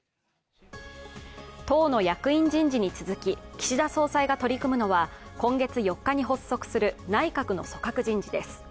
党の役員人事に続き、岸田総裁が取り組むのは今月４日に発足する内角の組閣人事です。